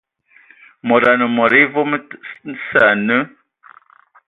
Mod anə mod evam sə ane..